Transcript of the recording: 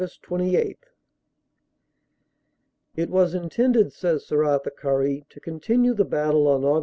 28 (( T T was intended," says Sir Arthur Currie, "to continue the battle on Aug.